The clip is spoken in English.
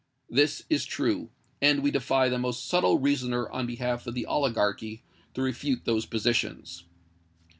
This is true: and we defy the most subtle reasoner on behalf of the oligarchy to refute those positions.